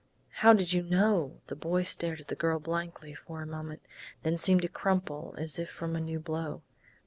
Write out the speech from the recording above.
"How did you know?" The boy stared at the girl blankly for a moment, then seemed to crumple as if from a new blow.